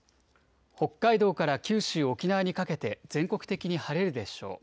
北海道から九州、沖縄にかけて全国的に晴れるでしょう。